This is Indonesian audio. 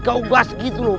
kau gas gitu loh